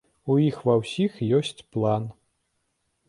У іх ва ўсіх ёсць план!